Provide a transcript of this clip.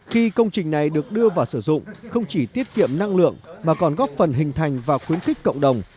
khi công trình này được đưa vào sử dụng không chỉ tiết kiệm năng lượng mà còn góp phần hình thành và khuyến khích cộng đồng